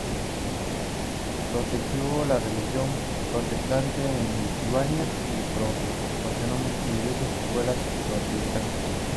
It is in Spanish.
Protegió la religión protestante en Lituania y patrocinó muchas iglesias y escuelas protestantes.